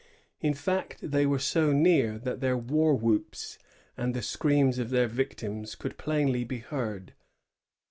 In fact, they were so near that their war whoops and the screams of their victims could plainly be heard.